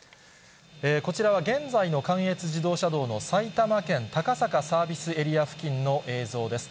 こちらは現在の関越自動車道の埼玉県高坂サービスエリア付近の映像です。